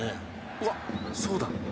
うわっそうだ。